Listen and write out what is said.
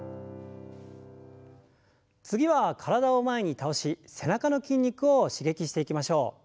次は体を前に倒し背中の筋肉を刺激していきましょう。